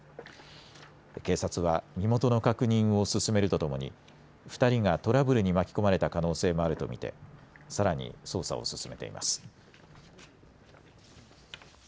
警察は身元の確認を進めるとともに２人がトラブルに巻き込まれた可能性もあると見てさらに捜査を進めています。